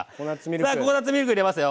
さあココナツミルク入れますよ。